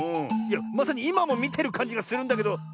いやまさにいまもみてるかんじがするんだけど。